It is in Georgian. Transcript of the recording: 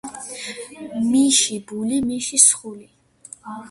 მიში ბული მიში სხული